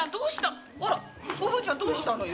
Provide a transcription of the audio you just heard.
アラおぶんちゃんどうしたのよ？